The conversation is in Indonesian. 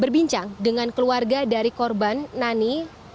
berbincang dengan keluarga dari korban nani